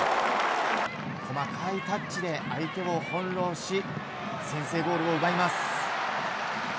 細かいタッチで相手を翻弄し先制ゴールを奪います。